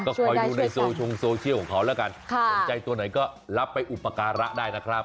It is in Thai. ก็คอยดูในโซชงโซเชียลของเขาแล้วกันสนใจตัวไหนก็รับไปอุปการะได้นะครับ